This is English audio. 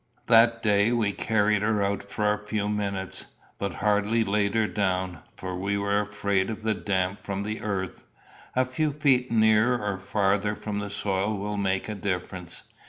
That day we carried her out for a few minutes, but hardly laid her down, for we were afraid of the damp from the earth. A few feet nearer or farther from the soil will make a difference.